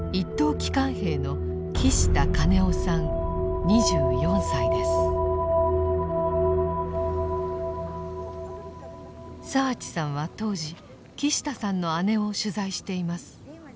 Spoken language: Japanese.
機関兵の澤地さんは当時木下さんの姉を取材しています。